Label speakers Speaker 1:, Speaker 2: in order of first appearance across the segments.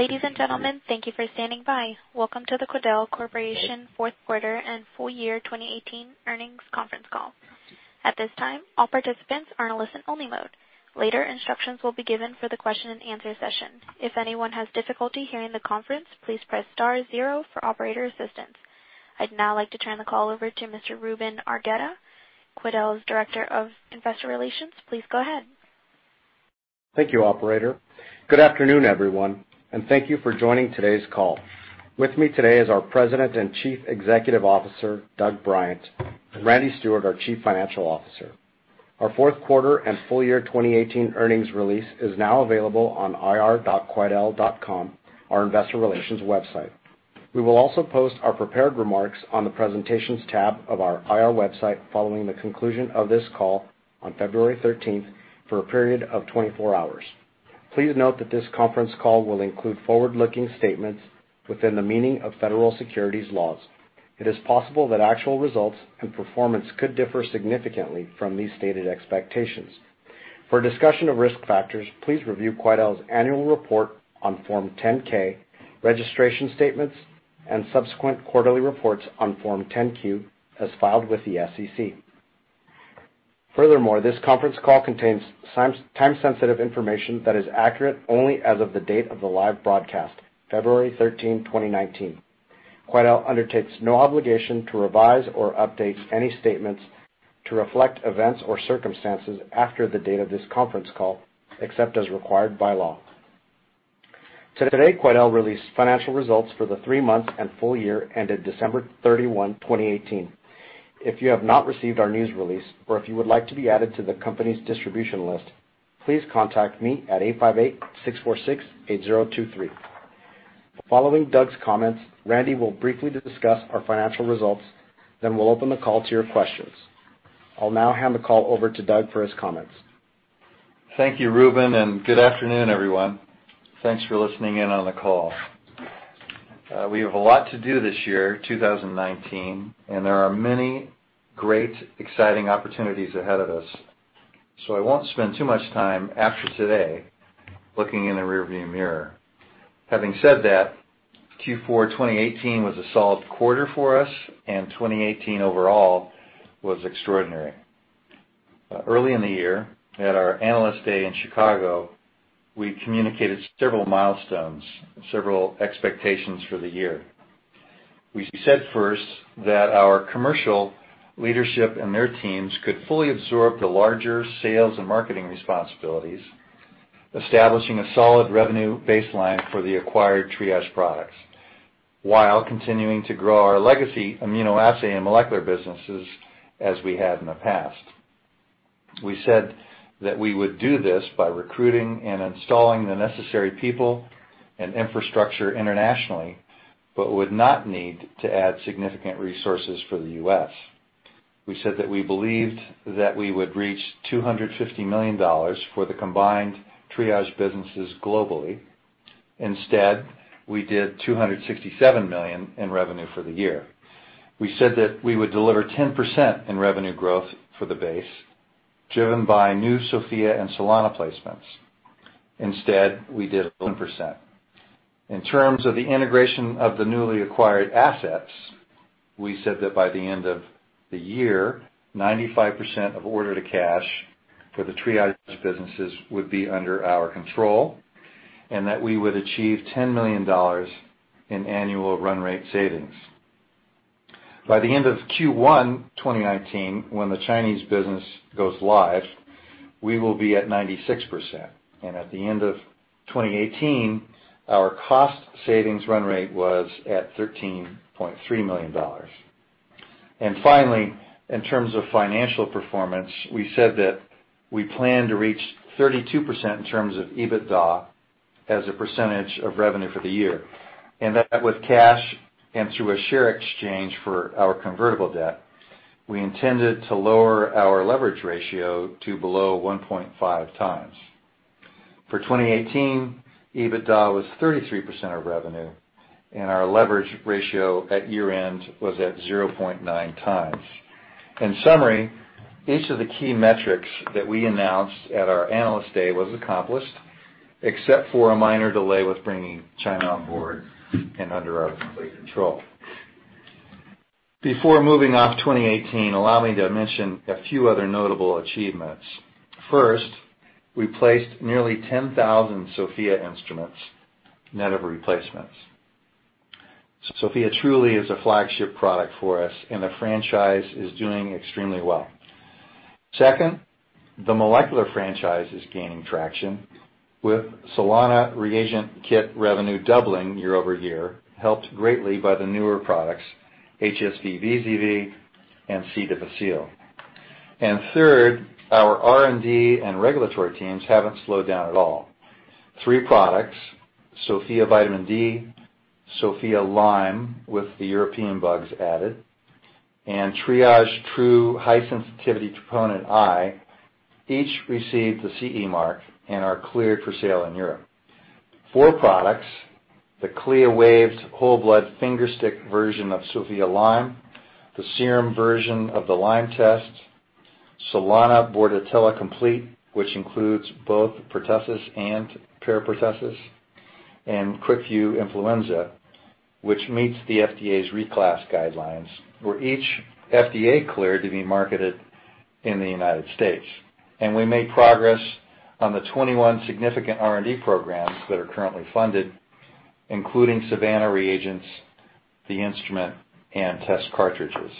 Speaker 1: Ladies and gentlemen, thank you for standing by. Welcome to the Quidel Corporation fourth quarter and full year 2018 earnings conference call. At this time, all participants are in a listen-only mode. Later, instructions will be given for the question and answer session. If anyone has difficulty hearing the conference, please press star zero for operator assistance. I'd now like to turn the call over to Mr. Ruben Argueta, Quidel's Director of Investor Relations. Please go ahead.
Speaker 2: Thank you, operator. Good afternoon, everyone, thank you for joining today's call. With me today is our President and Chief Executive Officer, Doug Bryant, and Randy Steward, our Chief Financial Officer. Our fourth quarter and full year 2018 earnings release is now available on ir.quidel.com, our investor relations website. We will also post our prepared remarks on the presentations tab of our IR website following the conclusion of this call on February 13th, for a period of 24 hours. Please note that this conference call will include forward-looking statements within the meaning of federal securities laws. It is possible that actual results and performance could differ significantly from these stated expectations. For a discussion of risk factors, please review Quidel's annual report on Form 10-K, registration statements, and subsequent quarterly reports on Form 10-Q, as filed with the SEC. This conference call contains time-sensitive information that is accurate only as of the date of the live broadcast, February 13, 2019. Quidel undertakes no obligation to revise or update any statements to reflect events or circumstances after the date of this conference call, except as required by law. Today, Quidel released financial results for the three months and full year ended December 31, 2018. If you have not received our news release or if you would like to be added to the company's distribution list, please contact me at 858-646-8023. Following Doug's comments, Randy will briefly discuss our financial results, we'll open the call to your questions. I'll now hand the call over to Doug for his comments.
Speaker 3: Thank you, Ruben, good afternoon, everyone. Thanks for listening in on the call. We have a lot to do this year, 2019, there are many great, exciting opportunities ahead of us. I won't spend too much time after today looking in the rear-view mirror. Having said that, Q4 2018 was a solid quarter for us, 2018 overall was extraordinary. Early in the year, at our Analyst Day in Chicago, we communicated several milestones, several expectations for the year. We said first that our commercial leadership and their teams could fully absorb the larger sales and marketing responsibilities, establishing a solid revenue baseline for the acquired Triage products while continuing to grow our legacy immunoassay and molecular businesses as we had in the past. We said that we would do this by recruiting and installing the necessary people and infrastructure internationally, but would not need to add significant resources for the U.S. We said that we believed that we would reach $250 million for the combined Triage businesses globally. Instead, we did $267 million in revenue for the year. We said that we would deliver 10% in revenue growth for the base, driven by new Sofia and Solana placements. Instead, we did 11%. In terms of the integration of the newly acquired assets, we said that by the end of the year, 95% of order to cash for the Triage businesses would be under our control, and that we would achieve $10 million in annual run rate savings. By the end of Q1 2019, when the Chinese business goes live, we will be at 96%. At the end of 2018, our cost savings run rate was at $13.3 million. Finally, in terms of financial performance, we said that we plan to reach 32% in terms of EBITDA as a percentage of revenue for the year, and that with cash and through a share exchange for our convertible debt, we intended to lower our leverage ratio to below 1.5x. For 2018, EBITDA was 33% of revenue, and our leverage ratio at year-end was at 0.9x. In summary, each of the key metrics that we announced at our Analyst Day was accomplished, except for a minor delay with bringing China on board and under our complete control. Before moving off 2018, allow me to mention a few other notable achievements. First, we placed nearly 10,000 Sofia instruments, net of replacements. Sofia truly is a flagship product for us, and the franchise is doing extremely well. Second, the molecular franchise is gaining traction with Solana reagent kit revenue doubling year-over-year, helped greatly by the newer products, HSV, VZV, and C. difficile. Third, our R&D and regulatory teams haven't slowed down at all. Three products, Sofia Vitamin D, Sofia Lyme with the European bugs added, and TriageTrue High Sensitivity Troponin I, each received a CE mark and are cleared for sale in Europe. Four products, the CLIA-waived whole blood finger stick version of Sofia Lyme, the serum version of the Lyme test, Solana Bordetella Complete, which includes both pertussis and parapertussis, and QuickVue Influenza, which meets the FDA's reclass guidelines, were each FDA cleared to be marketed in the United States, and we made progress on the 21 significant R&D programs that are currently funded, including Savanna reagents, the instrument, and test cartridges.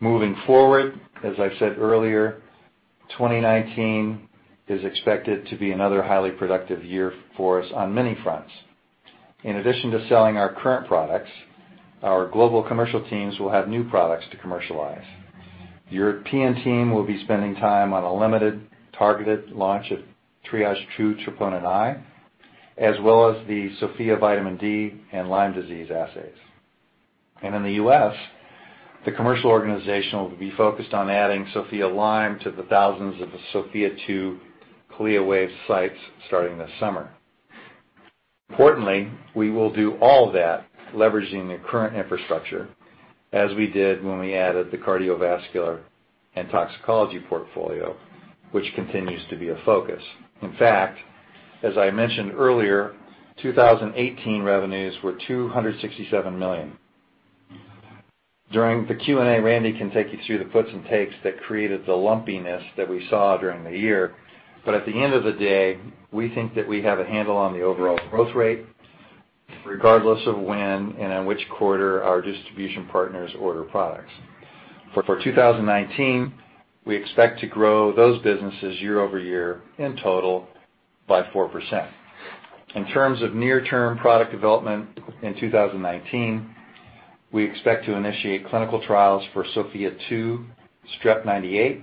Speaker 3: Moving forward, as I said earlier, 2019 is expected to be another highly productive year for us on many fronts. In addition to selling our current products, our global commercial teams will have new products to commercialize. The European team will be spending time on a limited targeted launch of TriageTrue Troponin I, as well as the Sofia Vitamin D and Lyme disease assays. In the U.S., the commercial organization will be focused on adding Sofia Lyme to the thousands of Sofia 2 CLIA waived sites starting this summer. Importantly, we will do all that leveraging the current infrastructure, as we did when we added the cardiovascular and toxicology portfolio, which continues to be a focus. In fact, as I mentioned earlier, 2018 revenues were $267 million. During the Q&A, Randy can take you through the puts and takes that created the lumpiness that we saw during the year, but at the end of the day, we think that we have a handle on the overall growth rate, regardless of when and in which quarter our distribution partners order products. For 2019, we expect to grow those businesses year-over-year in total by 4%. In terms of near-term product development in 2019, we expect to initiate clinical trials for Sofia 2 Strep98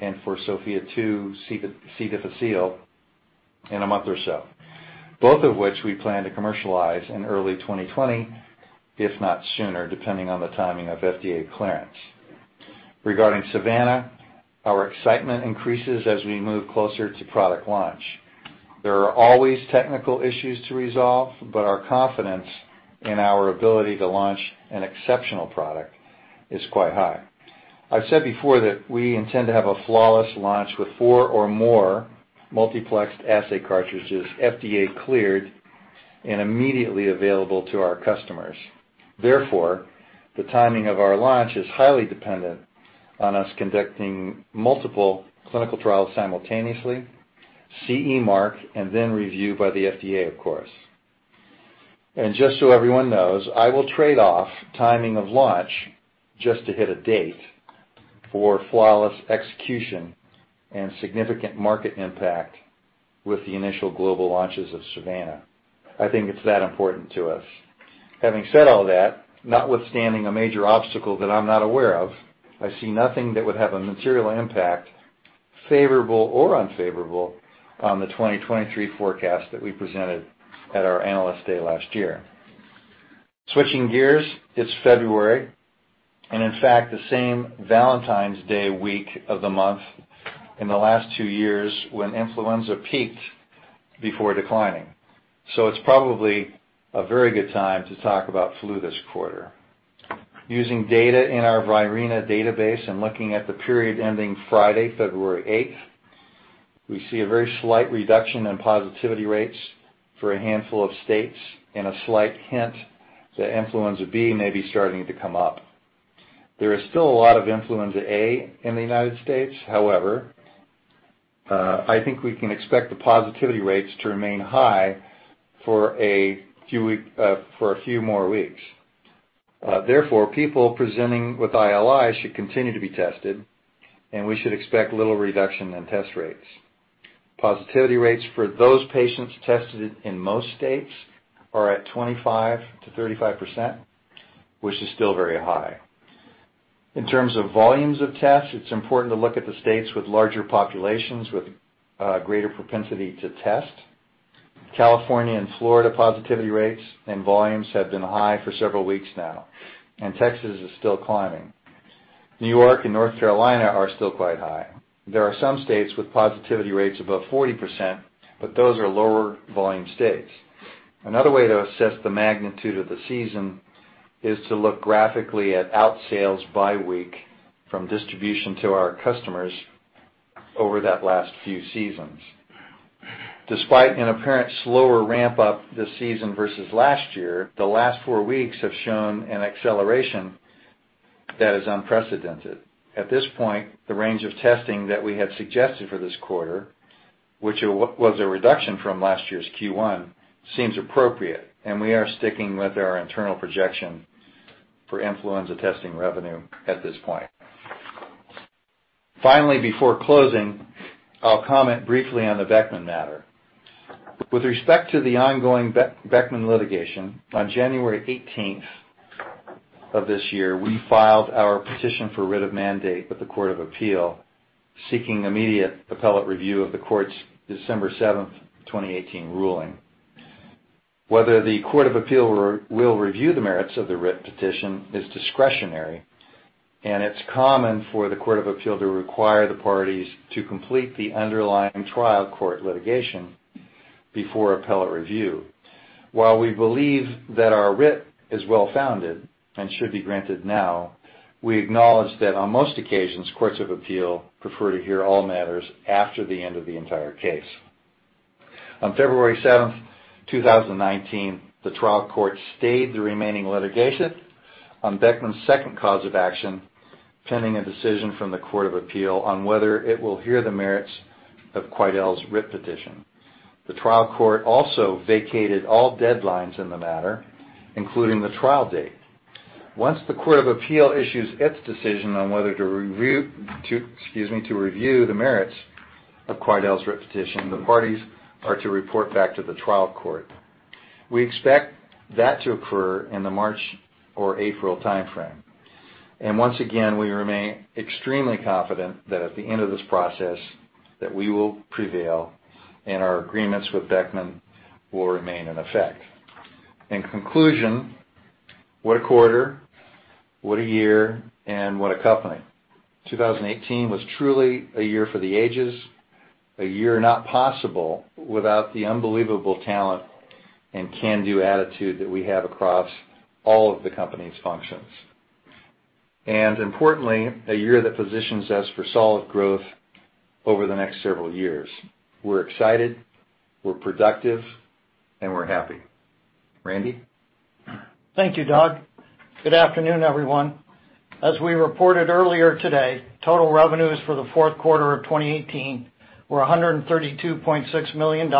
Speaker 3: and for Sofia 2 C. difficile in a month or so, both of which we plan to commercialize in early 2020, if not sooner, depending on the timing of FDA clearance. Regarding Savanna, our excitement increases as we move closer to product launch. There are always technical issues to resolve, but our confidence in our ability to launch an exceptional product is quite high. I've said before that we intend to have a flawless launch with four or more multiplexed assay cartridges, FDA cleared and immediately available to our customers. Therefore, the timing of our launch is highly dependent on us conducting multiple clinical trials simultaneously, CE mark, and then review by the FDA, of course. Just so everyone knows, I will trade off timing of launch just to hit a date for flawless execution and significant market impact with the initial global launches of Savanna. I think it's that important to us. Having said all that, notwithstanding a major obstacle that I'm not aware of, I see nothing that would have a material impact, favorable or unfavorable, on the 2023 forecast that we presented at our Analyst Day last year. Switching gears, it's February, and in fact, the same Valentine's Day week of the month in the last two years, when influenza peaked before declining. It's probably a very good time to talk about flu this quarter. Using data in our Virena database and looking at the period ending Friday, February 8th, we see a very slight reduction in positivity rates for a handful of states and a slight hint that influenza B may be starting to come up. There is still a lot of influenza A in the United States. However, I think we can expect the positivity rates to remain high for a few more weeks. Therefore, people presenting with ILI should continue to be tested, and we should expect little reduction in test rates. Positivity rates for those patients tested in most states are at 25%-35%, which is still very high. In terms of volumes of tests, it's important to look at the states with larger populations with greater propensity to test. California and Florida positivity rates and volumes have been high for several weeks now, and Texas is still climbing. New York and North Carolina are still quite high. There are some states with positivity rates above 40%, but those are lower volume states. Another way to assess the magnitude of the season is to look graphically at our sales by week from distribution to our customers over the last few seasons. Despite an apparent slower ramp-up this season versus last year, the last four weeks have shown an acceleration that is unprecedented. At this point, the range of testing that we had suggested for this quarter, which was a reduction from last year's Q1, seems appropriate, and we are sticking with our internal projection for influenza testing revenue at this point. Finally, before closing, I will comment briefly on the Beckman matter. With respect to the ongoing Beckman litigation, on January 18th of this year, we filed our petition for writ of mandate with the Court of Appeal, seeking immediate appellate review of the court's December 7th, 2018, ruling. Whether the Court of Appeal will review the merits of the writ petition is discretionary, and it is common for the Court of Appeal to require the parties to complete the underlying trial court litigation before appellate review. While we believe that our writ is well-founded and should be granted now, we acknowledge that on most occasions, courts of appeal prefer to hear all matters after the end of the entire case. On February 7th, 2019, the trial court stayed the remaining litigation on Beckman's second cause of action, pending a decision from the Court of Appeal on whether it will hear the merits of Quidel's writ petition. The trial court also vacated all deadlines in the matter, including the trial date. Once the Court of Appeal issues its decision on whether to review, excuse me, to review the merits of Quidel's writ petition, the parties are to report back to the trial court. We expect that to occur in the March or April timeframe. Once again, we remain extremely confident that at the end of this process, that we will prevail and our agreements with Beckman will remain in effect. In conclusion, what a quarter, what a year, and what a company. 2018 was truly a year for the ages, a year not possible without the unbelievable talent and can-do attitude that we have across all of the company's functions. Importantly, a year that positions us for solid growth over the next several years. We are excited, we are productive, and we are happy. Randy?
Speaker 4: Thank you, Doug. Good afternoon, everyone. As we reported earlier today, total revenues for the fourth quarter of 2018 were $132.6 million.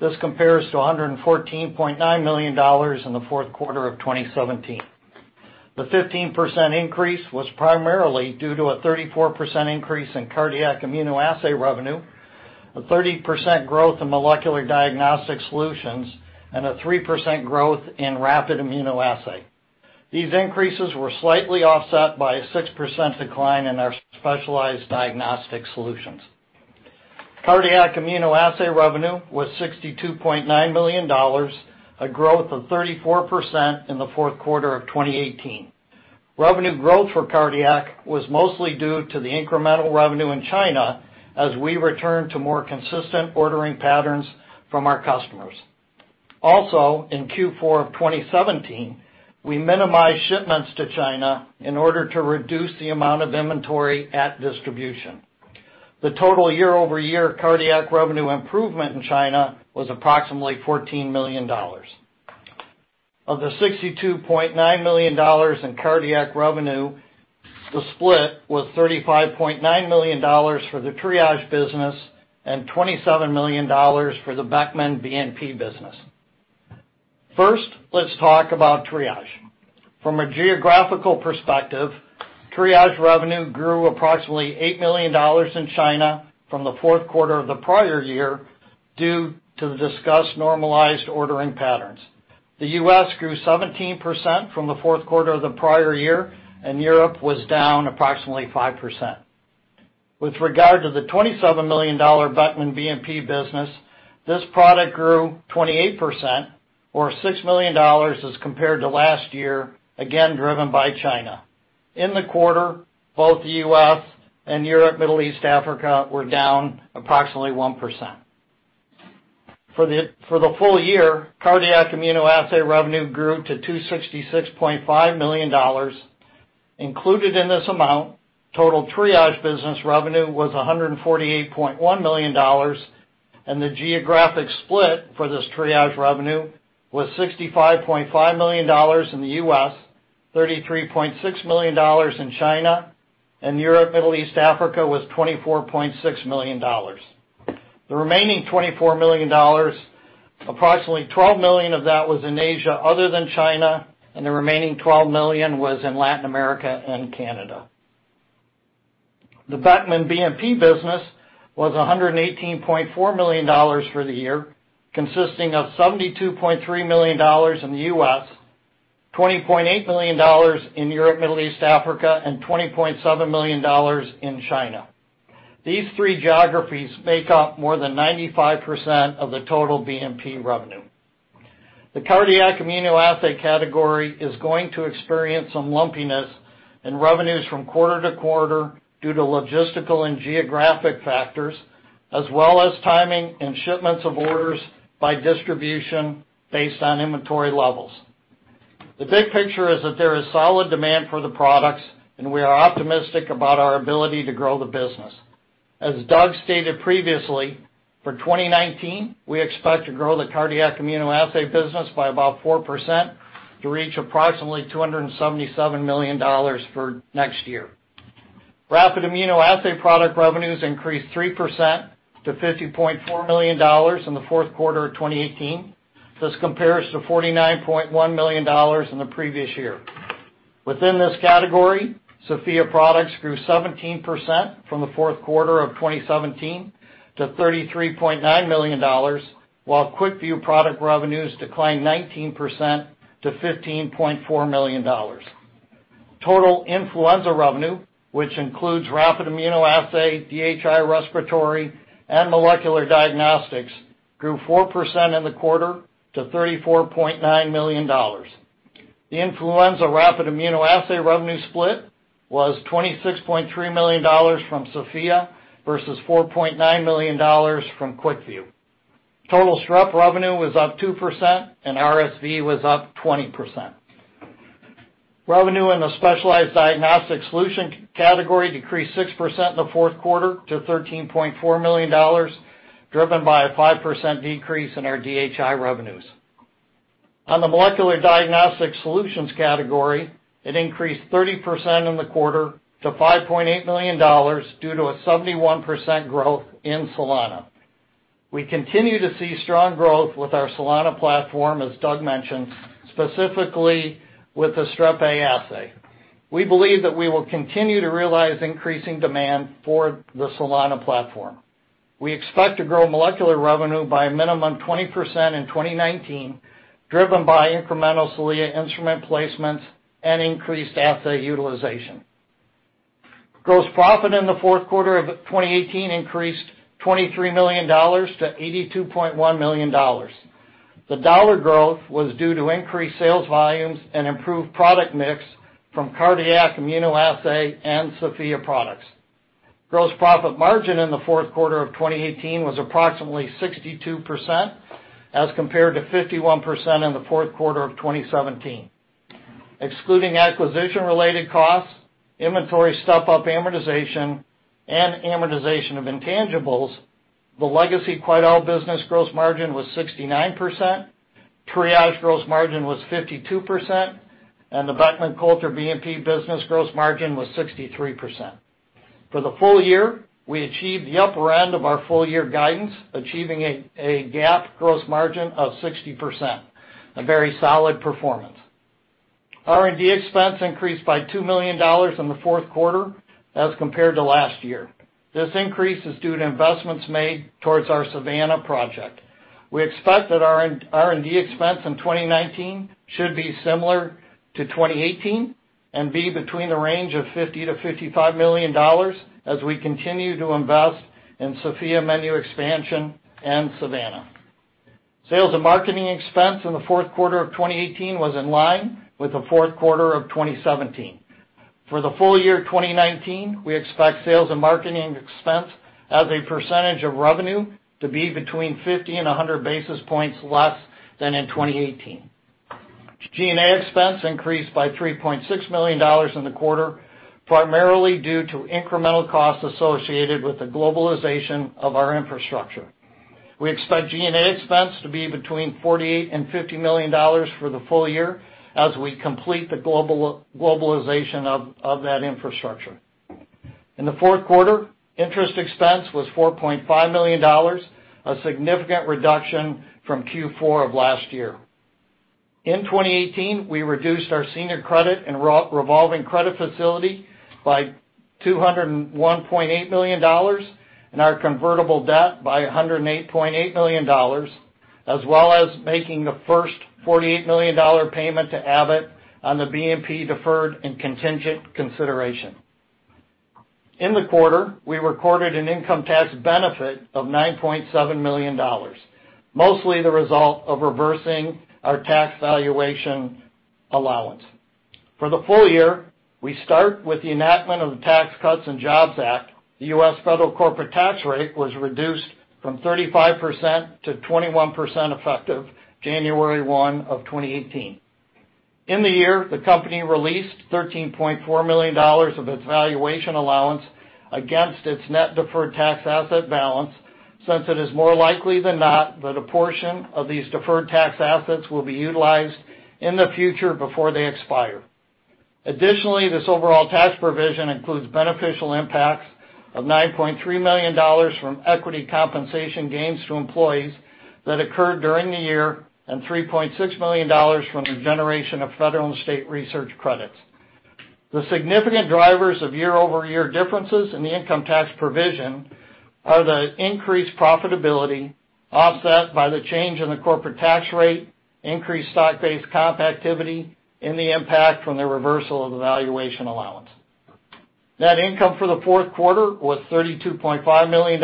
Speaker 4: This compares to $114.9 million in the fourth quarter of 2017. The 15% increase was primarily due to a 34% increase in cardiac immunoassay revenue, a 30% growth in molecular diagnostic solutions, and a 3% growth in rapid immunoassay. These increases were slightly offset by a 6% decline in our specialized diagnostic solutions. Cardiac immunoassay revenue was $62.9 million, a growth of 34% in the fourth quarter of 2018. Revenue growth for cardiac was mostly due to the incremental revenue in China as we return to more consistent ordering patterns from our customers. Also, in Q4 of 2017, we minimized shipments to China in order to reduce the amount of inventory at distribution. The total year-over-year cardiac revenue improvement in China was approximately $14 million. Of the $62.9 million in cardiac revenue, the split was $35.9 million for the Triage business and $27 million for the Beckman BNP business. First, let's talk about Triage. From a geographical perspective, Triage revenue grew approximately $8 million in China from the fourth quarter of the prior year due to the discussed normalized ordering patterns. The U.S. grew 17% from the fourth quarter of the prior year, and Europe was down approximately 5%. With regard to the $27 million Beckman BNP business, this product grew 28%, or $6 million as compared to last year, again driven by China. In the quarter, both the U.S. and Europe, Middle East, Africa were down approximately 1%. For the full year, cardiac immunoassay revenue grew to $266.5 million. Included in this amount, total Triage business revenue was $148.1 million, and the geographic split for this Triage revenue was $65.5 million in the U.S., $33.6 million in China, and Europe, Middle East, Africa was $24.6 million. The remaining $24 million, approximately $12 million of that was in Asia other than China, and the remaining $12 million was in Latin America and Canada. The Beckman BNP business was $118.4 million for the year, consisting of $72.3 million in the U.S., $20.8 million in Europe, Middle East, Africa, and $20.7 million in China. These three geographies make up more than 95% of the total BNP revenue. The cardiac immunoassay category is going to experience some lumpiness in revenues from quarter to quarter due to logistical and geographic factors, as well as timing and shipments of orders by distribution based on inventory levels. The big picture is that there is solid demand for the products, and we are optimistic about our ability to grow the business. As Doug stated previously, for 2019, we expect to grow the cardiac immunoassay business by about 4% to reach approximately $277 million for next year. Rapid immunoassay product revenues increased 3% to $50.4 million in the fourth quarter of 2018. This compares to $49.1 million in the previous year. Within this category, Sofia products grew 17% from the fourth quarter of 2017 to $33.9 million, while QuickVue product revenues declined 19% to $15.4 million. Total influenza revenue, which includes rapid immunoassay, DHI respiratory, and molecular diagnostics, grew 4% in the quarter to $34.9 million. The influenza rapid immunoassay revenue split was $26.3 million from Sofia versus $4.9 million from QuickVue. Total Strep revenue was up 2%, and RSV was up 20%. Revenue in the specialized diagnostic solution category decreased 6% in the fourth quarter to $13.4 million, driven by a 5% decrease in our DHI revenues. It increased 30% in the quarter to $5.8 million due to a 71% growth in Solana. We continue to see strong growth with our Solana platform, as Doug mentioned, specifically with the Strep A assay. We believe that we will continue to realize increasing demand for the Solana platform. We expect to grow molecular revenue by a minimum 20% in 2019, driven by incremental Solana instrument placements and increased assay utilization. Gross profit in the fourth quarter of 2018 increased $23 million to $82.1 million. The dollar growth was due to increased sales volumes and improved product mix from cardiac immunoassay and Sofia products. Gross profit margin in the fourth quarter of 2018 was approximately 62%, as compared to 51% in the fourth quarter of 2017. Excluding acquisition-related costs, inventory step-up amortization, and amortization of intangibles, the legacy Quidel business gross margin was 69%, Triage gross margin was 52%, and the Beckman Coulter BNP business gross margin was 63%. For the full year, we achieved the upper end of our full-year guidance, achieving a GAAP gross margin of 60%, a very solid performance. R&D expense increased by $2 million in the fourth quarter as compared to last year. This increase is due to investments made towards our Savanna project. We expect that our R&D expense in 2019 should be similar to 2018 and be between the range of $50 million to $55 million as we continue to invest in Sofia menu expansion and Savanna. Sales and marketing expense in the fourth quarter of 2018 was in line with the fourth quarter of 2017. For the full year 2019, we expect sales and marketing expense as a percentage of revenue to be between 50 and 100 basis points less than in 2018. G&A expense increased by $3.6 million in the quarter, primarily due to incremental costs associated with the globalization of our infrastructure. We expect G&A expense to be between $48 million and $50 million for the full year as we complete the globalization of that infrastructure. In the fourth quarter, interest expense was $4.5 million, a significant reduction from Q4 of last year. In 2018, we reduced our senior credit and revolving credit facility by $201.8 million and our convertible debt by $108.8 million, as well as making the first $48 million payment to Abbott on the BNP deferred and contingent consideration. In the quarter, we recorded an income tax benefit of $9.7 million, mostly the result of reversing our tax valuation allowance. For the full year, we start with the enactment of the Tax Cuts and Jobs Act. The U.S. federal corporate tax rate was reduced from 35% to 21%, effective January 1 of 2018. In the year, the company released $13.4 million of its valuation allowance against its net deferred tax asset balance, since it is more likely than not that a portion of these deferred tax assets will be utilized in the future before they expire. Additionally, this overall tax provision includes beneficial impacts of $9.3 million from equity compensation gains to employees that occurred during the year, and $3.6 million from the generation of federal and state research credits. The significant drivers of year-over-year differences in the income tax provision are the increased profitability, offset by the change in the corporate tax rate, increased stock-based comp activity, and the impact from the reversal of the valuation allowance. Net income for the fourth quarter was $32.5 million,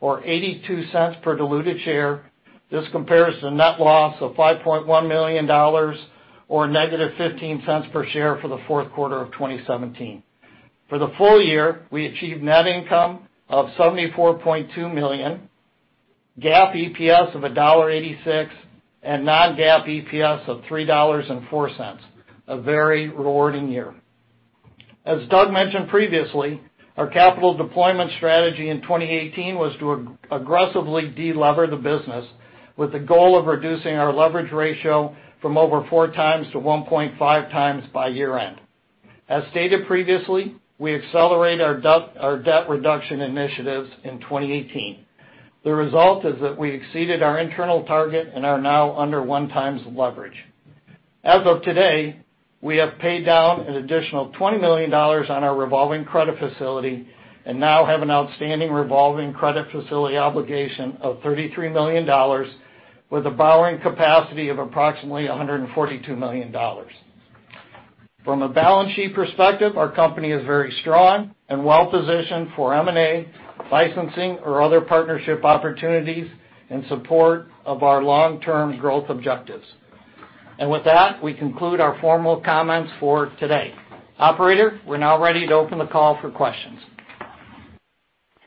Speaker 4: or $0.82 per diluted share. This compares to the net loss of $5.1 million or negative $0.15 per share for the fourth quarter of 2017. For the full year, we achieved net income of $74.2 million, GAAP EPS of $1.86, and non-GAAP EPS of $3.04, a very rewarding year. As Doug mentioned previously, our capital deployment strategy in 2018 was to aggressively de-lever the business with the goal of reducing our leverage ratio from over 4x to 1.5x by year-end. As stated previously, we accelerated our debt reduction initiatives in 2018. The result is that we exceeded our internal target and are now under 1x leverage. As of today, we have paid down an additional $20 million on our revolving credit facility and now have an outstanding revolving credit facility obligation of $33 million with a borrowing capacity of approximately $142 million. From a balance sheet perspective, our company is very strong and well-positioned for M&A, licensing, or other partnership opportunities in support of our long-term growth objectives. With that, we conclude our formal comments for today. Operator, we're now ready to open the call for questions.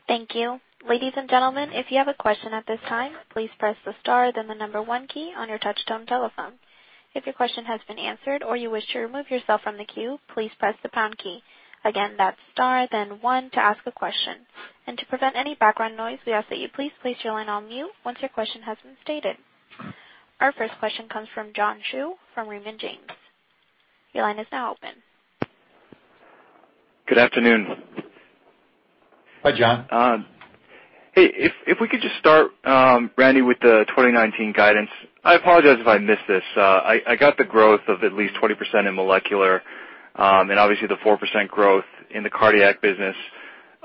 Speaker 1: Thank you. Ladies and gentlemen, if you have a question at this time, please press the star then the number one key on your touch-tone telephone. If your question has been answered or you wish to remove yourself from the queue, please press the pound key. Again, that's star then one to ask a question. To prevent any background noise, we ask that you please place your line on mute once your question has been stated. Our first question comes from John Hsu from Raymond James. Your line is now open.
Speaker 5: Good afternoon.
Speaker 4: Hi, John.
Speaker 5: Hey, if we could just start, Randy, with the 2019 guidance. I apologize if I missed this. I got the growth of at least 20% in molecular, and obviously the 4% growth in the cardiac business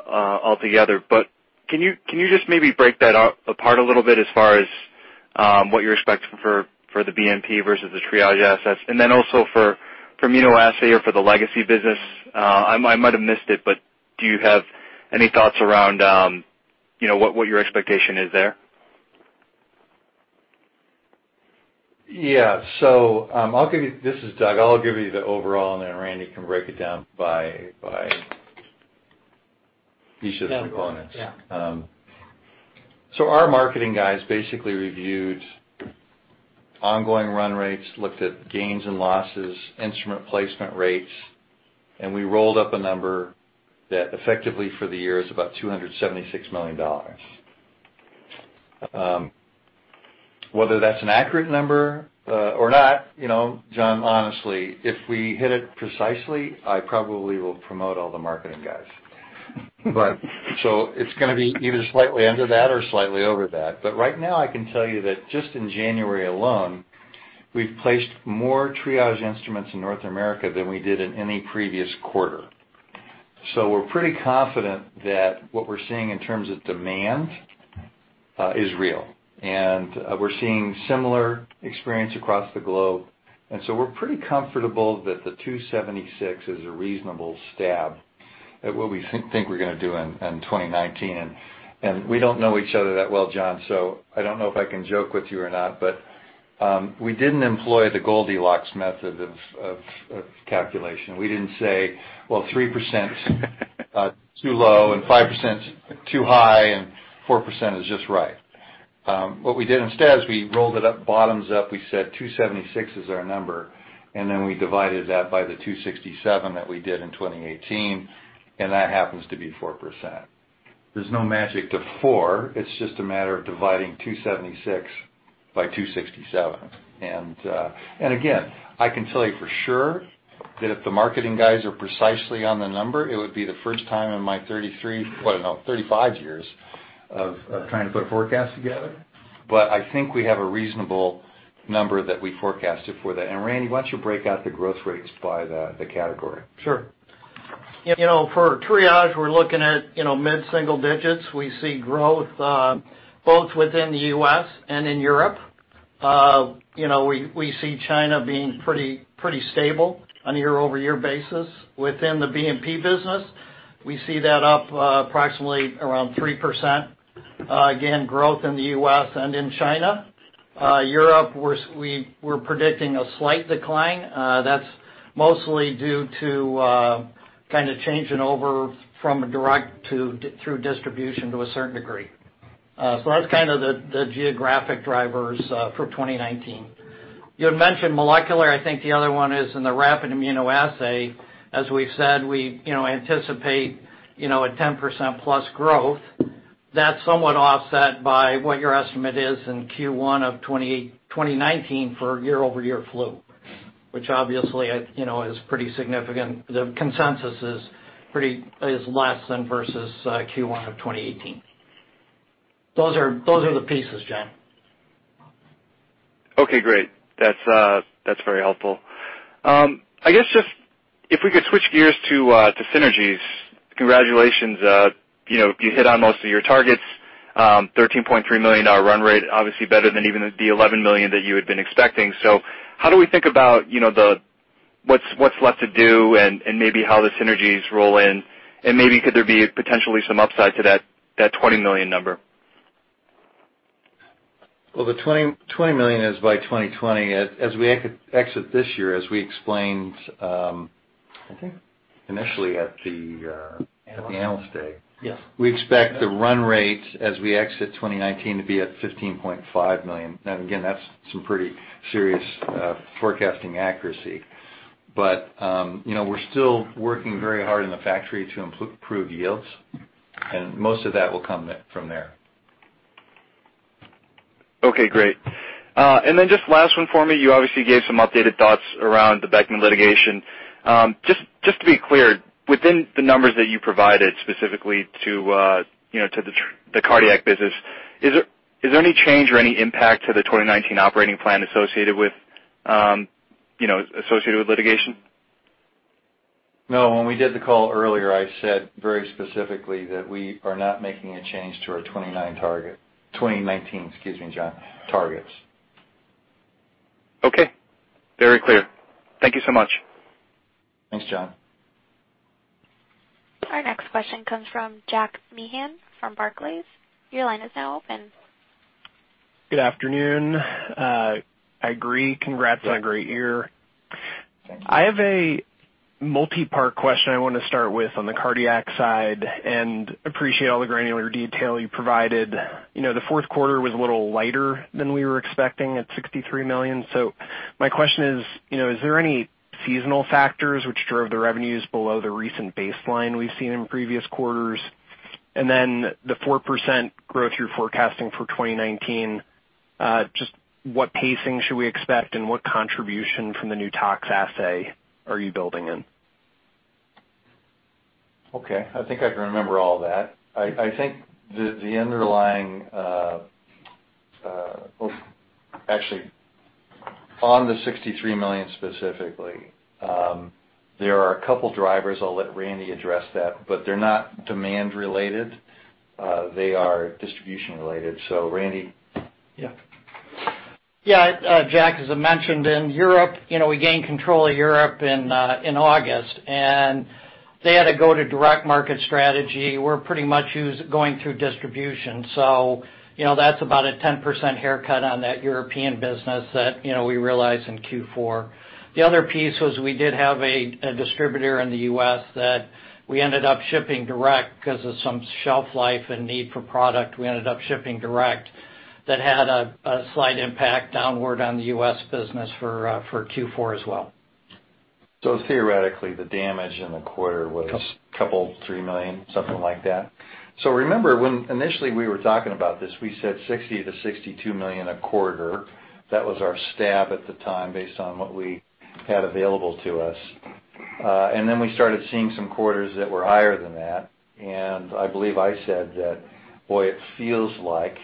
Speaker 5: altogether. Can you just maybe break that apart a little bit as far as what you're expecting for the BNP versus the Triage assets? Also for immunoassay or for the legacy business, I might have missed it, but do you have any thoughts around what your expectation is there?
Speaker 3: Yeah. This is Doug. I'll give you the overall, Randy can break it down by pieces and components.
Speaker 4: Yeah.
Speaker 3: Our marketing guys basically reviewed ongoing run rates, looked at gains and losses, instrument placement rates, and we rolled up a number that effectively for the year is about $276 million. Whether that's an accurate number or not, John, honestly, if we hit it precisely, I probably will promote all the marketing guys. It's going to be either slightly under that or slightly over that. Right now, I can tell you that just in January alone, we've placed more Triage instruments in North America than we did in any previous quarter. We're pretty confident that what we're seeing in terms of demand is real, and we're seeing similar experience across the globe. We're pretty comfortable that the 276 is a reasonable stab at what we think we're going to do in 2019. We don't know each other that well, John, so I don't know if I can joke with you or not, but we didn't employ the Goldilocks method of calculation. We didn't say, "Well, 3%'s too low, and 5%'s too high, and 4% is just right." What we did instead is we rolled it up bottoms up. We said 276 is our number, we divided that by the 267 that we did in 2018, and that happens to be 4%. There's no magic to four. It's just a matter of dividing 276 by 267. I can tell you for sure that if the marketing guys are precisely on the number, it would be the first time in my 33, well, no, 35 years of trying to put a forecast together. I think we have a reasonable number that we forecasted for that. Randy, why don't you break out the growth rates by the category?
Speaker 4: Sure. For Triage, we're looking at mid-single digits. We see growth both within the U.S. and in Europe. We see China being pretty stable on a year-over-year basis. Within the BNP business, we see that up approximately around 3%, again, growth in the U.S. and in China. Europe, we're predicting a slight decline. That's mostly due to changing over from direct through distribution to a certain degree. That's the geographic drivers for 2019. You had mentioned molecular. I think the other one is in the rapid immunoassay. As we've said, we anticipate a 10%+ growth. That's somewhat offset by what your estimate is in Q1 of 2019 for year-over-year flu, which obviously is pretty significant. The consensus is less than versus Q1 of 2018. Those are the pieces, John.
Speaker 5: Okay, great. That's very helpful. I guess, just if we could switch gears to synergies. Congratulations. You hit on most of your targets. $13.3 million run rate, obviously better than even the $11 million that you had been expecting. How do we think about what's left to do and maybe how the synergies roll in, and maybe could there be potentially some upside to that $20 million number?
Speaker 3: Well, the $20 million is by 2020. As we exit this year, as we explained.
Speaker 4: I think
Speaker 3: initially at the Analyst Day.
Speaker 4: Yes.
Speaker 3: We expect the run rate as we exit 2019 to be at $15.5 million. Now, again, that's some pretty serious forecasting accuracy. We're still working very hard in the factory to improve yields, and most of that will come from there.
Speaker 5: Okay, great. Just last one for me. You obviously gave some updated thoughts around the Beckman litigation. Just to be clear, within the numbers that you provided specifically to the cardiac business, is there any change or any impact to the 2019 operating plan associated with litigation?
Speaker 3: No, when we did the call earlier, I said very specifically that we are not making a change to our 2029 target. 2019, excuse me, John, targets.
Speaker 5: Okay. Very clear. Thank you so much.
Speaker 3: Thanks, John.
Speaker 1: Our next question comes from Jack Meehan from Barclays. Your line is now open.
Speaker 6: Good afternoon. I agree, congrats on a great year.
Speaker 3: Thank you.
Speaker 6: I have a multi-part question I want to start with on the cardiac side, and appreciate all the granular detail you provided. The fourth quarter was a little lighter than we were expecting at $63 million. My question is any seasonal factors which drove the revenues below the recent baseline we've seen in previous quarters? The 4% growth you're forecasting for 2019, just what pacing should we expect and what contribution from the new tox assay are you building in?
Speaker 3: Okay. I think I can remember all that. Well, actually, on the $63 million, specifically, there are a couple drivers, I'll let Randy address that, but they're not demand related. They are distribution related. Randy? Yeah.
Speaker 4: Yeah, Jack, as I mentioned, in Europe, we gained control of Europe in August. They had to go to direct market strategy. We're pretty much used going through distribution, that's about a 10% haircut on that European business that we realized in Q4. The other piece was we did have a distributor in the U.S. that we ended up shipping direct because of some shelf life and need for product. We ended up shipping direct. That had a slight impact downward on the U.S. business for Q4 as well.
Speaker 3: Theoretically, the damage in the quarter was couple, $3 million, something like that. Remember when initially we were talking about this, we said $60 million-$62 million a quarter. That was our stab at the time based on what we had available to us. Then we started seeing some quarters that were higher than that, and I believe I said that, boy, it feels like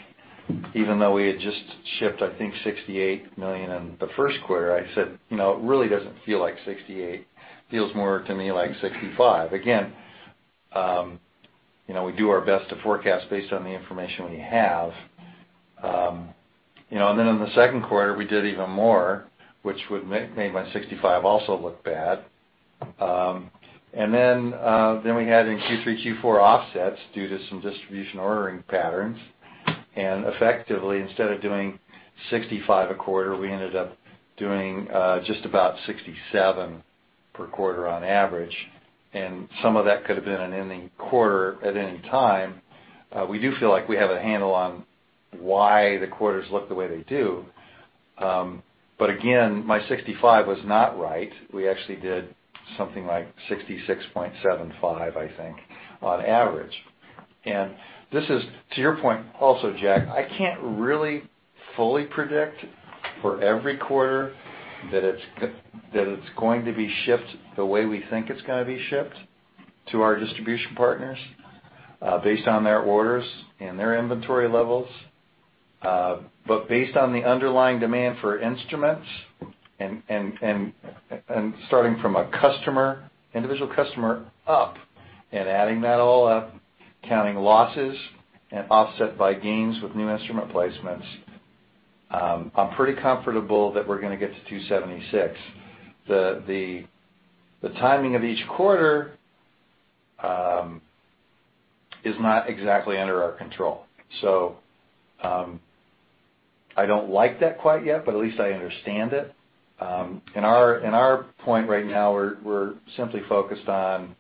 Speaker 3: even though we had just shipped, I think $68 million in the first quarter, I said, "It really doesn't feel like $68 million. Feels more to me like $65 million." Again, we do our best to forecast based on the information we have. Then in the second quarter, we did even more, which made my $65 million also look bad. Then we had in Q3, Q4 offsets due to some distribution ordering patterns. Effectively, instead of doing $65 million a quarter, we ended up doing just about $67 million per quarter on average. Some of that could have been an ending quarter at any time. We do feel like we have a handle on why the quarters look the way they do. Again, my $65 million was not right. We actually did something like $66.75 million, I think, on average. This is, to your point also, Jack, I can't really fully predict for every quarter that it's going to be shipped the way we think it's going to be shipped to our distribution partners based on their orders and their inventory levels. Based on the underlying demand for instruments and starting from a individual customer up and adding that all up, counting losses and offset by gains with new instrument placements, I'm pretty comfortable that we're going to get to $276. The timing of each quarter is not exactly under our control. I don't like that quite yet, but at least I understand it. In our point right now, we're simply focused on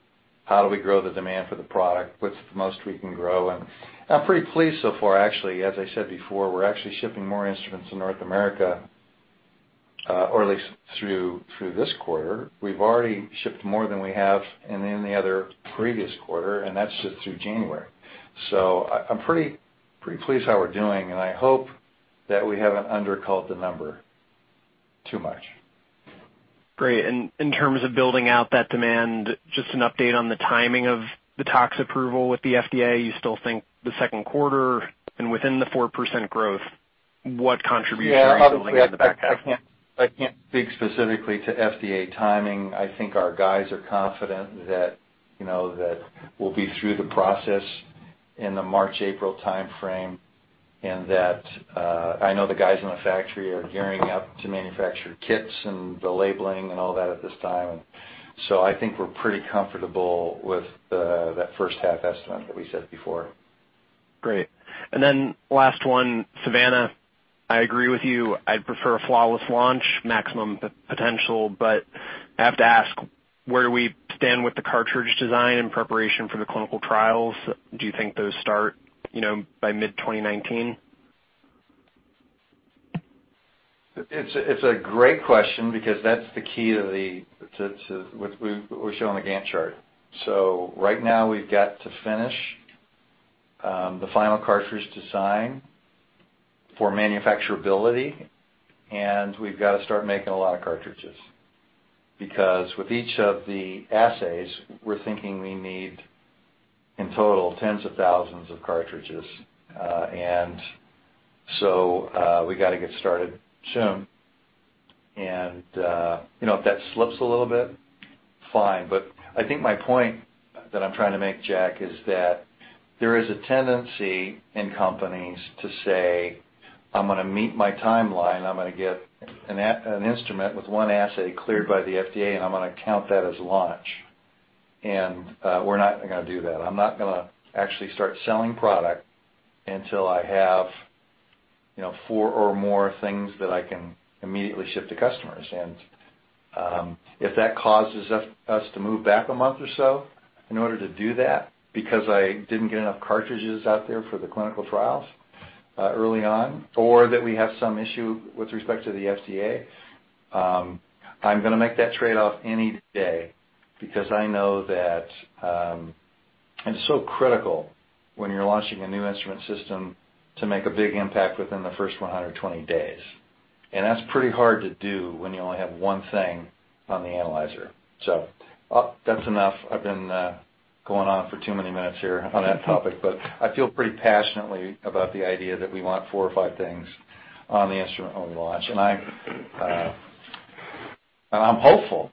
Speaker 3: how do we grow the demand for the product, what's the most we can grow? I'm pretty pleased so far, actually. As I said before, we're actually shipping more instruments in North America, or at least through this quarter. We've already shipped more than we have in any other previous quarter, and that's just through January. I'm pretty pleased how we're doing, and I hope that we haven't under-called the number too much.
Speaker 6: Great. In terms of building out that demand, just an update on the timing of the tox approval with the FDA. You still think the second quarter? Within the 4% growth, what contribution are you building in the back half?
Speaker 3: I can't speak specifically to FDA timing. I think our guys are confident that we'll be through the process in the March-April timeframe, that I know the guys in the factory are gearing up to manufacture kits and the labeling and all that at this time. I think we're pretty comfortable with that first half estimate that we said before.
Speaker 6: Great. Last one, Savanna. I agree with you. I'd prefer a flawless launch, maximum potential, I have to ask, where do we stand with the cartridge design in preparation for the clinical trials? Do you think those start by mid-2019?
Speaker 3: It's a great question because that's the key to what we show on the Gantt chart. Right now we've got to finish the final cartridge design for manufacturability, we've got to start making a lot of cartridges. Because with each of the assays, we're thinking we need in total, tens of thousands of cartridges. We got to get started soon. If that slips a little bit, fine. I think my point that I'm trying to make, Jack, is that there is a tendency in companies to say, "I'm going to meet my timeline. I'm going to get an instrument with one assay cleared by the FDA, I'm going to count that as launch." We're not going to do that. I'm not going to actually start selling product until I have four or more things that I can immediately ship to customers. If that causes us to move back a month or so in order to do that because I didn't get enough cartridges out there for the clinical trials early on, or that we have some issue with respect to the FDA, I'm going to make that trade-off any day because I know that it's so critical when you're launching a new instrument system to make a big impact within the first 120 days. That's pretty hard to do when you only have one thing on the analyzer. That's enough. I've been going on for too many minutes here on that topic, but I feel pretty passionately about the idea that we want four or five things on the instrument when we launch. I'm hopeful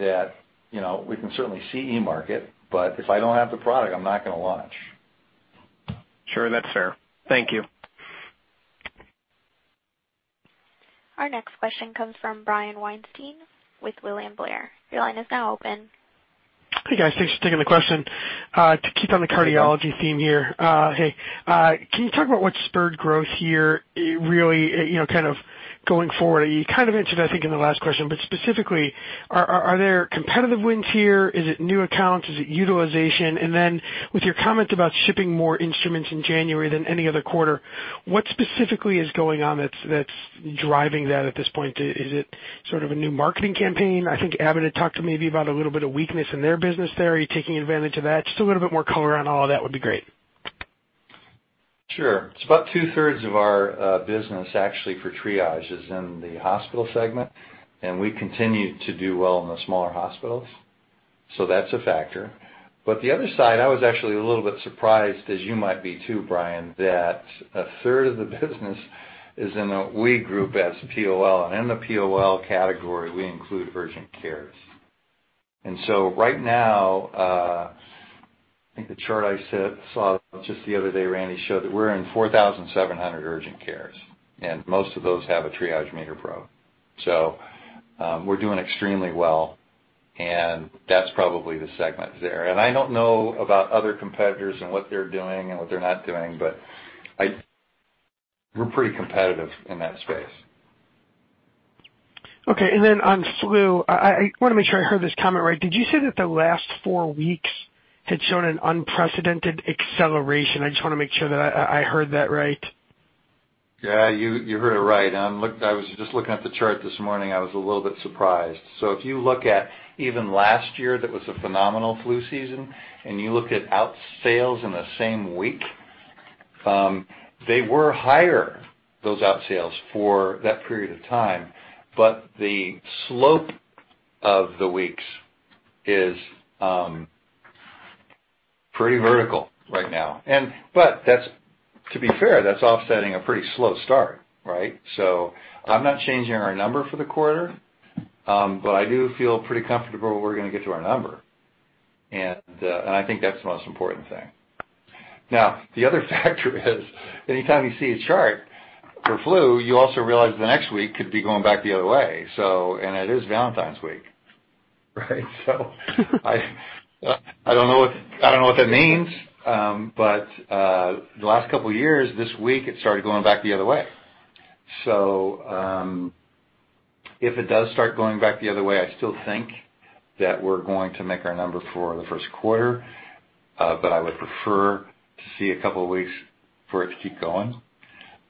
Speaker 3: that we can certainly see CE mark, if I don't have the product, I'm not going to launch.
Speaker 6: Sure. That's fair. Thank you.
Speaker 1: Our next question comes from Brian Weinstein with William Blair. Your line is now open.
Speaker 7: Hey, guys. Thanks for taking the question. To keep on the cardiology theme here. Can you talk about what spurred growth here really, kind of going forward? You kind of mentioned, I think, in the last question, but specifically, are there competitive wins here? Is it new accounts? Is it utilization? Then with your comment about shipping more instruments in January than any other quarter, what specifically is going on that's driving that at this point? Is it sort of a new marketing campaign? I think Abbott had talked maybe about a little bit of weakness in their business there. Are you taking advantage of that? Just a little bit more color on all of that would be great.
Speaker 3: Sure. It's about two-thirds of our business actually for Triage is in the hospital segment, and we continue to do well in the smaller hospitals. That's a factor. The other side, I was actually a little bit surprised, as you might be too, Brian, that a third of the business is in what we group as POL. In the POL category, we include urgent cares. Right now, I think the chart I saw just the other day, Randy, showed that we're in 4,700 urgent cares, and most of those have a Triage MeterPro. We're doing extremely well, and that's probably the segment there. I don't know about other competitors and what they're doing and what they're not doing, but we're pretty competitive in that space.
Speaker 7: Okay. On flu, I want to make sure I heard this comment right. Did you say that the last four weeks had shown an unprecedented acceleration? I just want to make sure that I heard that right.
Speaker 3: Yeah, you heard it right. I was just looking at the chart this morning. I was a little bit surprised. If you look at even last year, that was a phenomenal flu season, and you look at outsales in the same week, they were higher, those outsales for that period of time. The slope of the weeks is pretty vertical right now. To be fair, that's offsetting a pretty slow start, right? I'm not changing our number for the quarter, but I do feel pretty comfortable we're going to get to our number. I think that's the most important thing. Now, the other factor is anytime you see a chart for flu, you also realize the next week could be going back the other way. It is Valentine's week, right? I don't know what that means, but the last couple of years, this week, it started going back the other way. If it does start going back the other way, I still think that we're going to make our number for the first quarter. I would prefer to see a couple of weeks for it to keep going,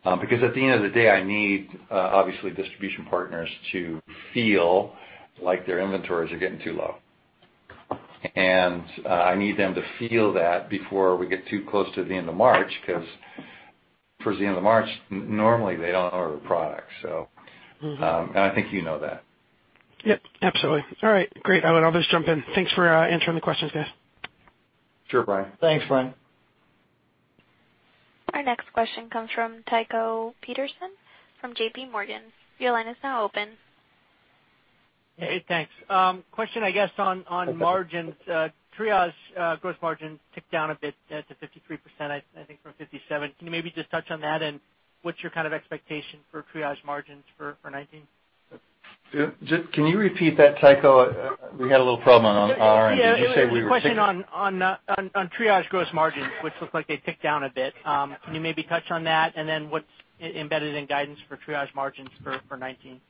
Speaker 3: because at the end of the day, I need, obviously, distribution partners to feel like their inventories are getting too low. I need them to feel that before we get too close to the end of March, because towards the end of March, normally they don't order products. I think you know that.
Speaker 7: Yep, absolutely. All right, great. I'll just jump in. Thanks for answering the questions, guys.
Speaker 3: Sure, Brian.
Speaker 1: Thanks, Brian. Our next question comes from Tycho Peterson from JPMorgan. Your line is now open.
Speaker 8: Hey, thanks. Question, I guess, on margins. Triage gross margins ticked down a bit to 53%, I think from 57%. Can you maybe just touch on that and what's your kind of expectation for Triage margins for 2019?
Speaker 3: Can you repeat that, Tycho? We had a little problem on our end. Did you say we were
Speaker 8: Question on Triage gross margins, which looked like they ticked down a bit. Can you maybe touch on that? What's embedded in guidance for Triage margins for 2019?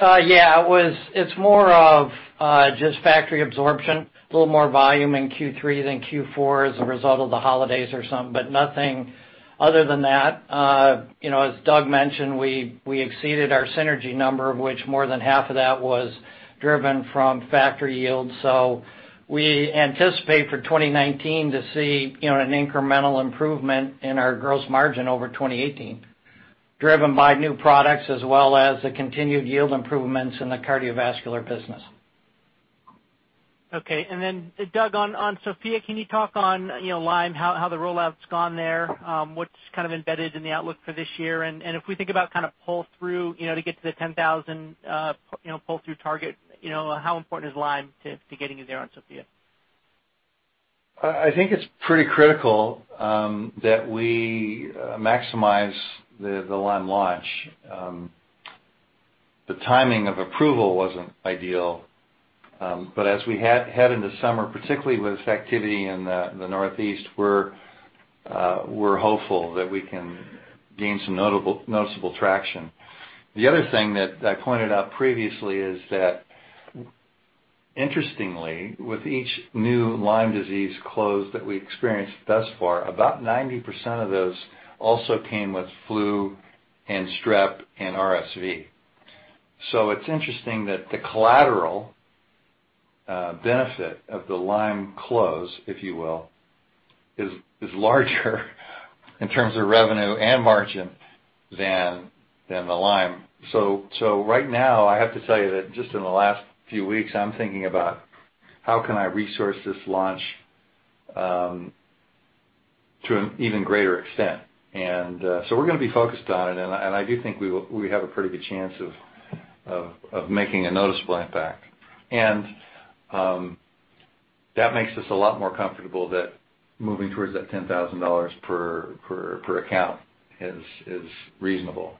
Speaker 4: Yeah. It's more of just factory absorption, a little more volume in Q3 than Q4 as a result of the holidays or something, but nothing other than that. As Doug mentioned, we exceeded our synergy number, which more than half of that was driven from factory yield. We anticipate for 2019 to see an incremental improvement in our gross margin over 2018. Driven by new products as well as the continued yield improvements in the cardiovascular business.
Speaker 8: Okay. Doug, on Sofia, can you talk on Lyme, how the rollout's gone there? What's kind of embedded in the outlook for this year, and if we think about pull-through to get to the 10,000 pull-through target, how important is Lyme to getting you there on Sofia?
Speaker 3: I think it's pretty critical that we maximize the Lyme launch. The timing of approval wasn't ideal. As we head into summer, particularly with activity in the Northeast, we're hopeful that we can gain some noticeable traction. The other thing that I pointed out previously is that interestingly, with each new Lyme disease close that we experienced thus far, about 90% of those also came with flu and Strep and RSV. It's interesting that the collateral benefit of the Lyme close, if you will, is larger in terms of revenue and margin than the Lyme. Right now, I have to tell you that just in the last few weeks, I'm thinking about how can I resource this launch to an even greater extent. We're going to be focused on it, and I do think we have a pretty good chance of making a noticeable impact. That makes us a lot more comfortable that moving towards that $10,000 per account is reasonable.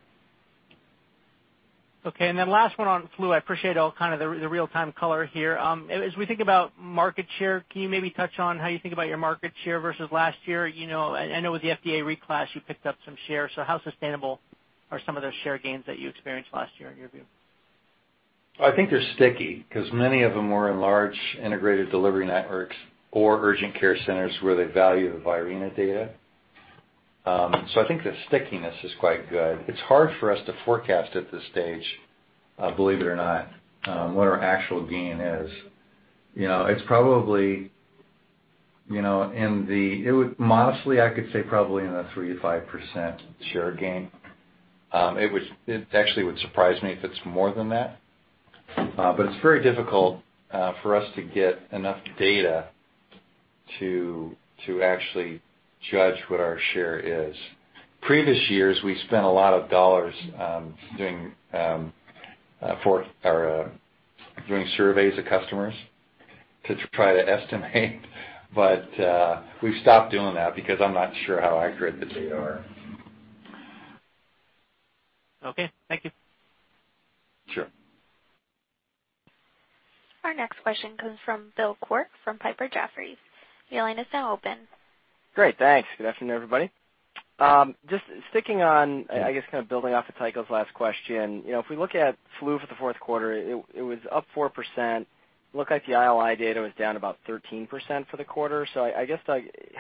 Speaker 8: Okay, last one on flu. I appreciate all kind of the real-time color here. As we think about market share, can you maybe touch on how you think about your market share versus last year? I know with the FDA reclass, you picked up some share, how sustainable are some of those share gains that you experienced last year in your view?
Speaker 3: I think they're sticky, because many of them were in large integrated delivery networks or urgent care centers where they value the Virena data. I think the stickiness is quite good. It's hard for us to forecast at this stage, believe it or not, what our actual gain is. Modestly, I could say probably in a 3%-5% share gain. It actually would surprise me if it's more than that. It's very difficult for us to get enough data to actually judge what our share is. Previous years, we spent a lot of dollars doing surveys of customers to try to estimate, but we've stopped doing that because I'm not sure how accurate the data are.
Speaker 8: Okay. Thank you.
Speaker 3: Sure.
Speaker 1: Our next question comes from Bill Quirk from Piper Jaffray. Your line is now open.
Speaker 9: Great. Thanks. Good afternoon, everybody. Just sticking on, I guess kind of building off of Tycho's last question, if we look at flu for the fourth quarter, it was up 4%. Looked like the ILI data was down about 13% for the quarter. I guess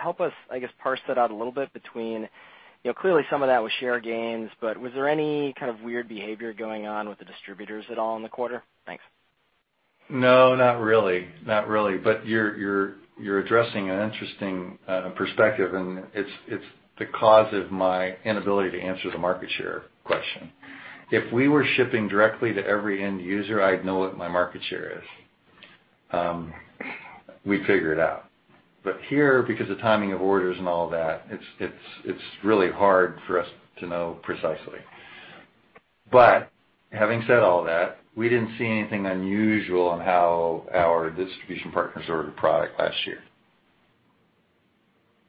Speaker 9: help us, I guess, parse that out a little bit, clearly some of that was share gains, but was there any kind of weird behavior going on with the distributors at all in the quarter? Thanks.
Speaker 3: No, not really. You're addressing an interesting perspective, it's the cause of my inability to answer the market share question. If we were shipping directly to every end user, I'd know what my market share is. We'd figure it out. Here, because the timing of orders and all of that, it's really hard for us to know precisely. Having said all of that, we didn't see anything unusual on how our distribution partners ordered product last year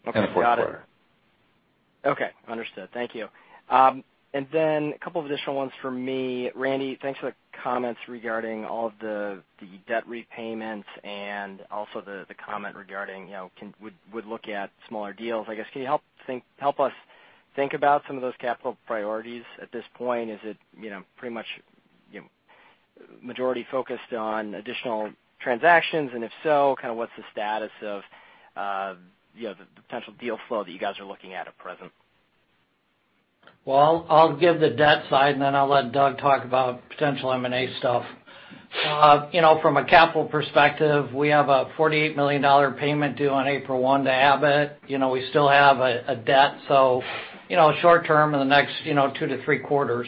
Speaker 3: in the fourth quarter.
Speaker 9: Okay. Got it. Okay, understood. Thank you. A couple of additional ones from me. Randy, thanks for the comments regarding all of the debt repayments and also the comment regarding would look at smaller deals. I guess, can you help us think about some of those capital priorities at this point? Is it pretty much majority focused on additional transactions, if so, kind of what's the status of the potential deal flow that you guys are looking at at present?
Speaker 4: Well, I'll give the debt side, then I'll let Doug talk about potential M&A stuff. From a capital perspective, we have a $48 million payment due on April 1 to Abbott. We still have a debt, short term in the next two to three quarters,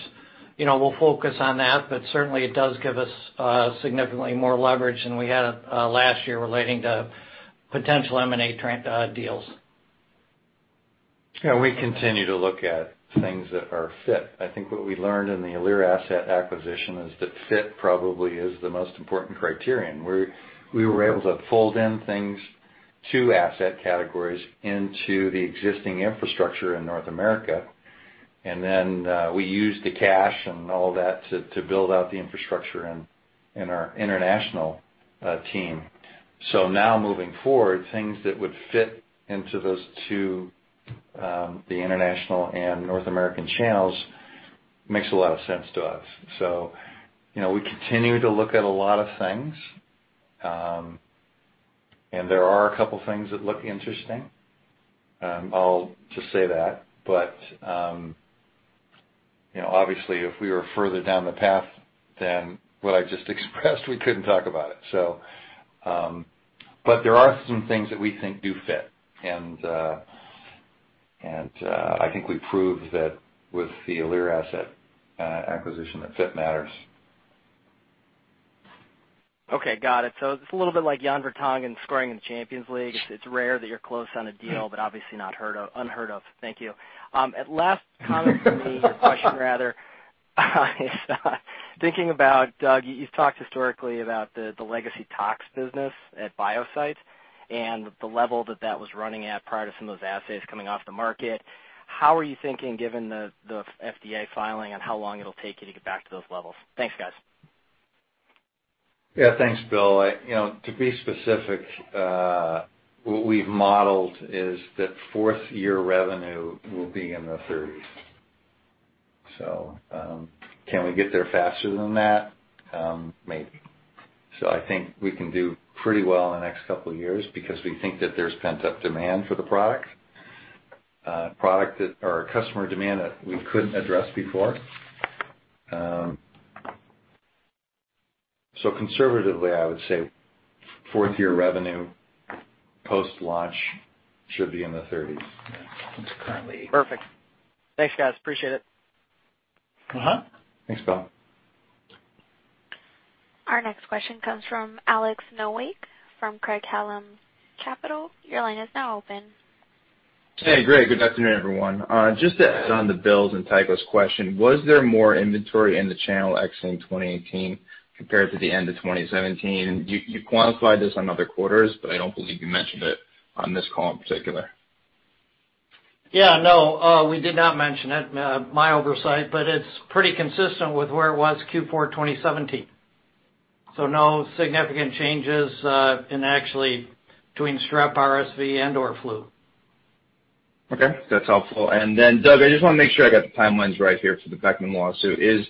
Speaker 4: we'll focus on that, certainly it does give us significantly more leverage than we had last year relating to potential M&A deals.
Speaker 3: We continue to look at things that are fit. I think what we learned in the Alere asset acquisition is that fit probably is the most important criterion. We were able to fold in things, two asset categories into the existing infrastructure in North America, and then we used the cash and all that to build out the infrastructure in our international team. Now moving forward, things that would fit into those two, the international and North American channels makes a lot of sense to us. We continue to look at a lot of things. There are a couple things that look interesting. I'll just say that. Obviously if we were further down the path than what I just expressed, we couldn't talk about it. There are some things that we think do fit. I think we proved that with the Alere asset acquisition that fit matters.
Speaker 9: Got it. Just a little bit like Jan Vertonghen scoring in the Champions League. It's rare that you're close on a deal, but obviously not unheard of. Thank you. Last comment from me or question, rather, is thinking about, Doug, you've talked historically about the legacy tox business at Biosite and the level that that was running at prior to some of those assays coming off the market. How are you thinking given the FDA filing and how long it'll take you to get back to those levels? Thanks, guys.
Speaker 3: Thanks, Bill. To be specific, what we've modeled is that fourth-year revenue will be in the 30s. Can we get there faster than that? Maybe. I think we can do pretty well in the next couple of years because we think that there's pent-up demand for the product, or customer demand that we couldn't address before. Conservatively, I would say fourth-year revenue post-launch should be in the 30s. It's currently
Speaker 9: Perfect. Thanks, guys. Appreciate it.
Speaker 3: Thanks, Bill.
Speaker 1: Our next question comes from Alex Nowak from Craig-Hallum Capital. Your line is now open.
Speaker 10: Hey, great. Good afternoon, everyone. Just to add on to Bill's and Tycho's question, was there more inventory in the channel actually in 2018 compared to the end of 2017? You quantified this on other quarters, but I don't believe you mentioned it on this call in particular.
Speaker 4: Yeah, no, we did not mention it. My oversight. It's pretty consistent with where it was Q4 2017. No significant changes in actually doing strep RSV and/or flu.
Speaker 10: Okay, that's helpful. Doug, I just want to make sure I got the timelines right here for the Beckman lawsuit. Is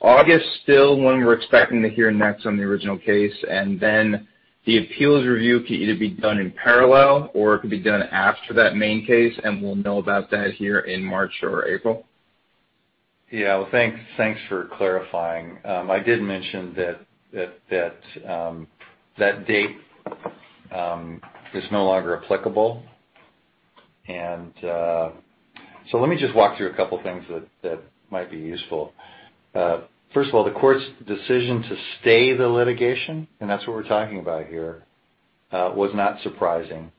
Speaker 10: August still when we're expecting to hear next on the original case, and then the appeals review could either be done in parallel or it could be done after that main case, and we'll know about that here in March or April?
Speaker 3: Yeah. Well, thanks for clarifying. I did mention that that date is no longer applicable. Let me just walk through a couple things that might be useful. First of all, the court's decision to stay the litigation, and that's what we're talking about here, was not surprising,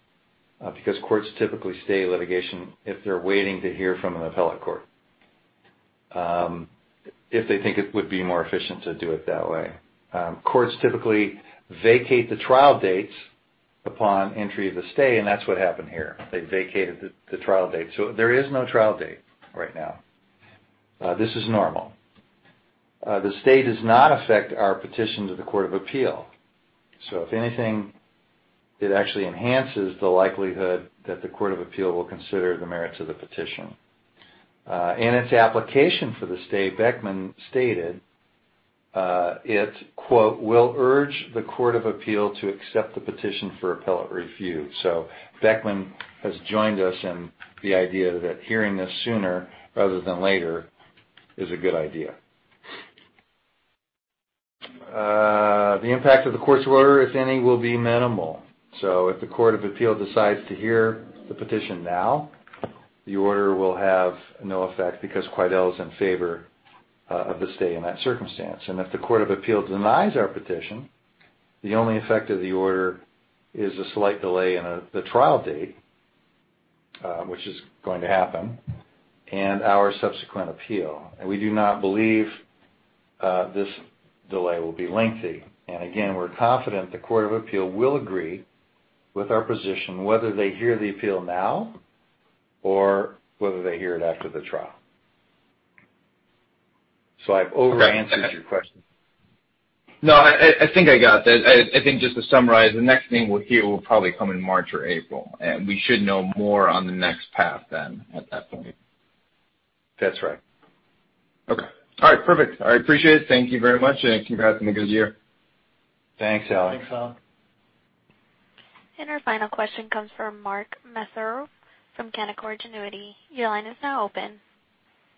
Speaker 3: because courts typically stay litigation if they're waiting to hear from an appellate court, if they think it would be more efficient to do it that way. Courts typically vacate the trial dates upon entry of the stay, and that's what happened here. They vacated the trial date. There is no trial date right now. This is normal. The stay does not affect our petition to the Court of Appeal. If anything, it actually enhances the likelihood that the Court of Appeal will consider the merits of the petition. In its application for the stay, Beckman stated it, quote, "Will urge the Court of Appeal to accept the petition for appellate review." Beckman has joined us in the idea that hearing this sooner rather than later is a good idea. The impact of the court's order, if any, will be minimal. If the Court of Appeal decides to hear the petition now, the order will have no effect because Quidel is in favor of the stay in that circumstance. If the Court of Appeal denies our petition, the only effect of the order is a slight delay in the trial date, which is going to happen, and our subsequent appeal. We do not believe this delay will be lengthy. Again, we're confident the Court of Appeal will agree with our position whether they hear the appeal now or whether they hear it after the trial. I've over answered your question.
Speaker 10: No, I think I got that. I think just to summarize, the next thing we'll hear will probably come in March or April, and we should know more on the next path then at that point.
Speaker 3: That's right.
Speaker 10: Okay. All right, perfect. All right, appreciate it. Thank you very much, and congrats on a good year.
Speaker 3: Thanks, Alex.
Speaker 4: Thanks, Alex.
Speaker 1: Our final question comes from Mark Massaro from Canaccord Genuity. Your line is now open.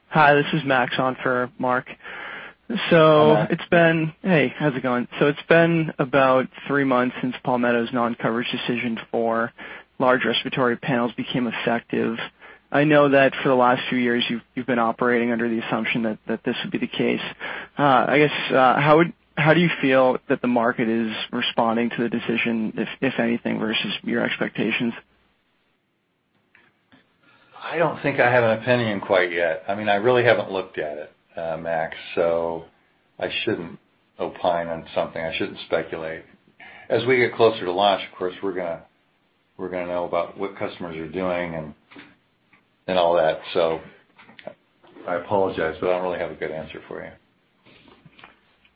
Speaker 11: Hi, this is Max on for Mark.
Speaker 3: Hi.
Speaker 11: Hey, how's it going? It's been about three months since Palmetto's non-coverage decision for large respiratory panels became effective. I know that for the last few years, you've been operating under the assumption that this would be the case. I guess, how do you feel that the market is responding to the decision, if anything, versus your expectations?
Speaker 3: I don't think I have an opinion quite yet. I really haven't looked at it, Max. I shouldn't opine on something, I shouldn't speculate. As we get closer to launch, of course, we're going to know about what customers are doing and all that. I apologize, but I don't really have a good answer for you.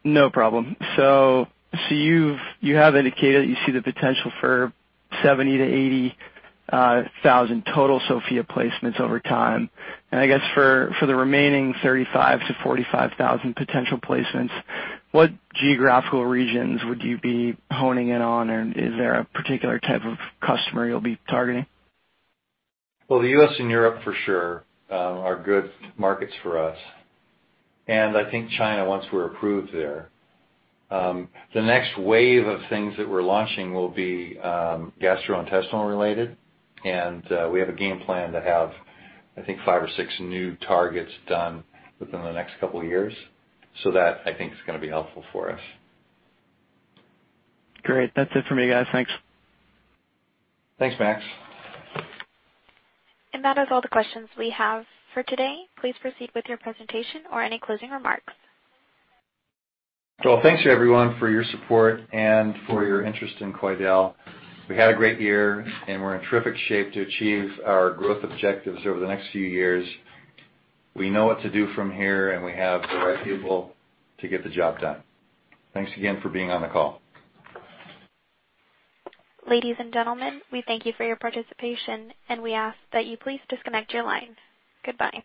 Speaker 11: No problem. You have indicated that you see the potential for 70,000 to 80,000 total Sofia placements over time. I guess for the remaining 35,000 to 45,000 potential placements, what geographical regions would you be honing in on, and is there a particular type of customer you'll be targeting?
Speaker 3: The U.S. and Europe for sure are good markets for us. I think China, once we're approved there. The next wave of things that we're launching will be gastrointestinal related, and we have a game plan to have, I think, five or six new targets done within the next couple of years. That, I think, is going to be helpful for us.
Speaker 11: Great. That's it for me, guys. Thanks.
Speaker 3: Thanks, Max.
Speaker 1: That is all the questions we have for today. Please proceed with your presentation or any closing remarks.
Speaker 3: Well, thanks, everyone, for your support and for your interest in Quidel. We had a great year, and we're in terrific shape to achieve our growth objectives over the next few years. We know what to do from here, and we have the right people to get the job done. Thanks again for being on the call.
Speaker 1: Ladies and gentlemen, we thank you for your participation, and we ask that you please disconnect your line. Goodbye.